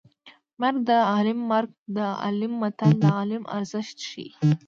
مرګ د عالیم مرګ د عالیم متل د عالم ارزښت ښيي